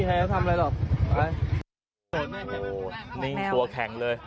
โหนิ่งกับแกโหะแข็งเลย